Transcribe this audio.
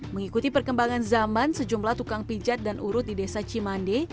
mengikuti perkembangan zaman sejumlah tukang pijat dan urut di desa cimande